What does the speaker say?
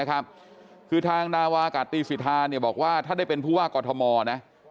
คือทางนาวากาตีสิทธาบอกว่าถ้าได้เป็นผู้ว่ากอทมนะ